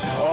oh di situ